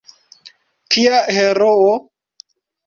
Kia heroo!